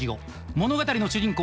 物語の主人公